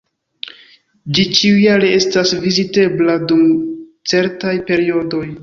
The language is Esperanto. Ĝi ĉiujare estas vizitebla dum certaj periodoj.